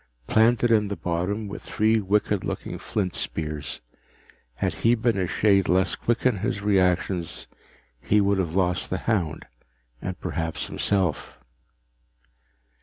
Planted in the bottom were three wicked looking flint spears. Had he been a shade less quick in his reactions, he would have lost the hound and perhaps himself.